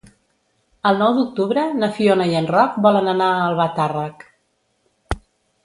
El nou d'octubre na Fiona i en Roc volen anar a Albatàrrec.